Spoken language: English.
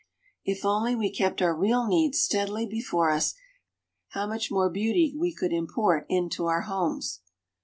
If only we kept our real needs steadily before us, how much more beauty we could import into our homes!